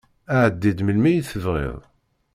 Ɛeddi-d melmi i tebɣiḍ.